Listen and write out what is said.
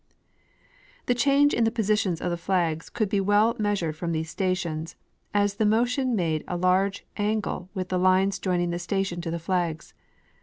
The change in the positions of the flags could be well measured from these stations, as the motion made a large angle with the lines joining the station to the flags.